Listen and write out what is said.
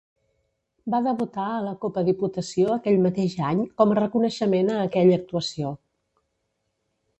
Va debutar a la Copa Diputació aquell mateix any, com a reconeixement a aquella actuació.